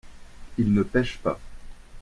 il ne pêche pas.